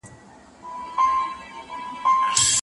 تاته زما د زړګي څه پته ده؟